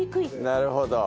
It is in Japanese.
なるほど。